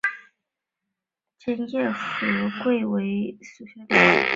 尖叶厚壳桂为樟科厚壳桂属下的一个种。